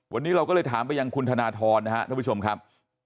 วันนี้เราก็เลยถามไปยังคุณธนทรนะครับท่านผู้ชมครับ